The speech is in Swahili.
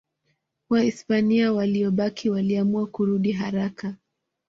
Wahispania waliobaki waliamua kurudi haraka.